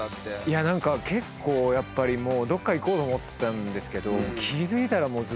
何かやっぱりどっか行こうと思ってたんですけど。